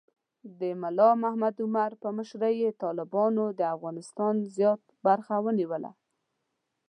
د ملا محمد عمر په مشرۍ کې طالبانو د افغانستان زیات برخه ونیوله.